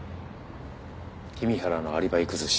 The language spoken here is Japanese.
君原のアリバイ崩し